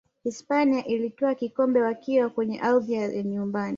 hispania ilitwaa kikombe wakiwa kwenye ardhi ya nyumbani